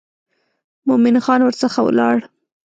مومن خان ورڅخه ولاړ.